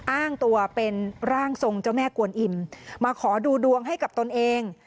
อ้างตัวเป็นร่างทรงเจ้าแม่กวนอิ่มมาขอดูดวงให้กับตนเอง